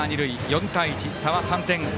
４対１、差は３点。